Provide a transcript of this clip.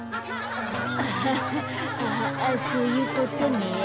アハハアハそういうことね。